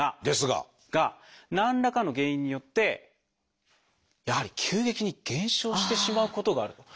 「ですが」？が何らかの原因によってやはり急激に減少してしまうことがある。